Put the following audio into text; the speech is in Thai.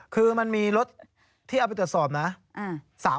คือมันมีรถที่เอาไปตรวจสอบนะ